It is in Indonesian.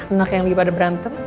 nggak kayak lagi pada berantem